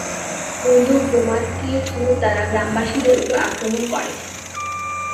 বন্দুক, বোমা, তীর-ধনুক দ্বারা গ্রামবাসীদের উপর আক্রমণ করে।